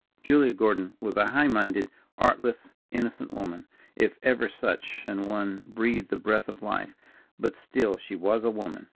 Julia Gordon was a high minded, artless, innocent woman, if ever such an one breathed the breath of life; but still she was a woman.